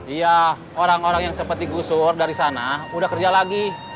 iya orang orang yang seperti gusur dari sana udah kerja lagi